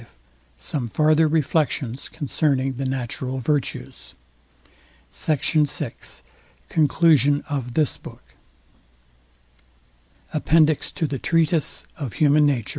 V SOME FARTHER REFLECTIONS CONCERNING THE NATURAL VIRTUES SECT. VI CONCLUSION OF THIS BOOK APPENDIX TO THE TREATISE OF HUMAN NATURE VOL.